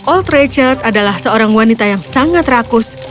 old richard adalah seorang wanita yang berpakaian